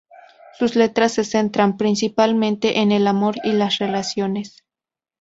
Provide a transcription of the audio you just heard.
Sus letras se centran, principalmente, en el amor y las relaciones.